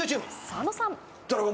佐野さん。